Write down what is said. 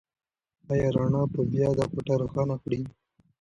ایا رڼا به بيا دا کوټه روښانه کړي؟